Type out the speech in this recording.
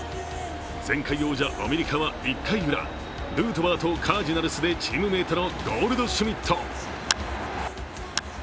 前回王者アメリカは１回ウラ、ヌートバーとカージナルスでチームメートのゴールドシュミット。